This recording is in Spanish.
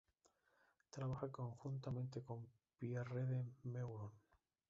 Trabaja conjuntamente con Pierre de Meuron.